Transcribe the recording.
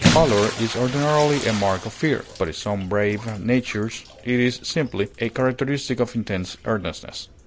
Pallor is ordinarily a mark of fear; but in some brave natures it is simply a characteristic of intense earnestness.